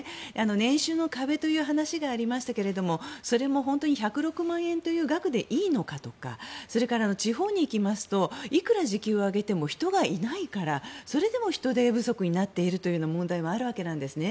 年収の壁という話がありましたがそれも本当に１０６万円という額でいいのかとかそれから地方に行きますといくら時給を上げても人がいないから、それでも人手不足になっているという問題もあるわけなんですね。